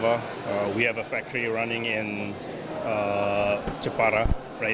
kami memiliki faktor yang berjalan di jepara sekarang